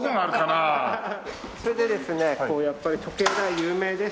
それでですねこうやっぱり時計台有名ですので。